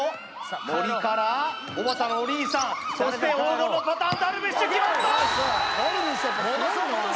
森からおばたのお兄さんそして黄金のパターン樽美酒決まった！